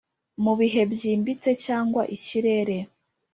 mubihe byimbitse cyangwa ikirere.